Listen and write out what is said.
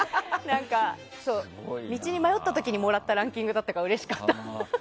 道に迷った時にもらったランキングだったからうれしかった。